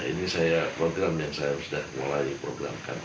ini saya program yang saya sudah mulai programkan